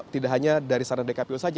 tidak hanya dari saran dari kpu saja